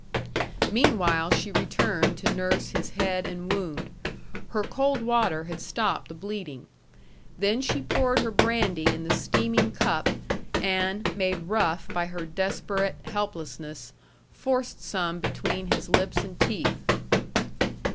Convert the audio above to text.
Meanwhile, she returned to nurse his head and wound. Her cold water had stopped the bleeding. Then she poured her brandy in the steaming cup, and, made rough by her desperate helplessness, forced some between his lips and teeth.